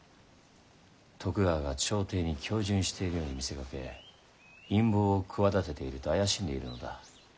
徳川が朝廷に恭順しているように見せかけ陰謀を企てていると怪しんでいるのだ。